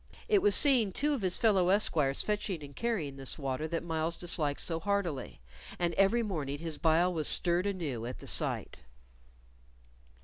It was seeing two of his fellow esquires fetching and carrying this water that Myles disliked so heartily, and every morning his bile was stirred anew at the sight.